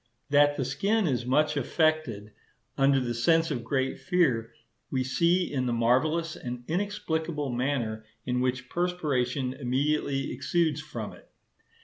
That the skin is much affected under the sense of great fear, we see in the marvellous and inexplicable manner in which perspiration immediately exudes from it.